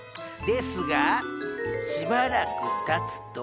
ですがしばらくたつと。